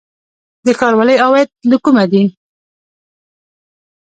د ښاروالۍ عواید له کومه دي؟